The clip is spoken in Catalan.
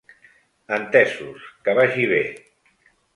Entesos, que vagi bé!